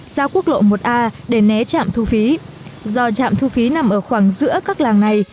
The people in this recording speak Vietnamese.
ra quốc lộ một a để né trạm thu phí do trạm thu phí nằm ở khoảng giữa các làng này